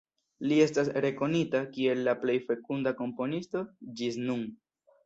Li estas rekonita kiel la plej fekunda komponisto ĝis nun.